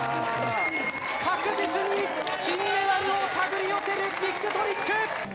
確実に金メダルを手繰り寄せるビッグトリック。